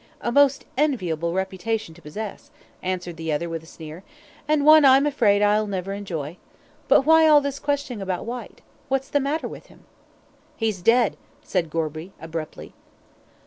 "A most enviable reputation to possess," answered the other with a sneer, "and one I'm afraid I'll never enjoy. But why all this questioning about Whyte? What's the matter with him?" "He's dead!" said Gorby, abruptly.